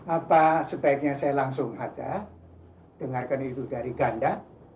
apa sebaiknya saya langsung aja dengarkan itu dari ganda